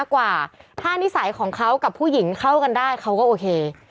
กวางสูงมาก